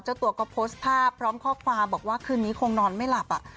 เจ้าตัวก็โพสต์ภาพพร้อมข้อความบอกว่าคืนนี้คงนอนไม่หลับ